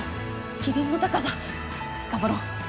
キリンの高さ頑張ろう。